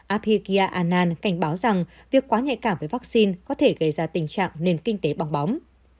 abhigya anand cảnh báo rằng việc quá nhạy cảm với vaccine có thể gây ra tình trạng nền kinh tế bóng bóng